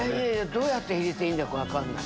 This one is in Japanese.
どうやって入れていいんだか分かんない。